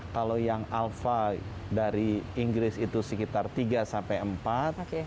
kalau yang alpha dari inggris itu sekitar tiga sampai empat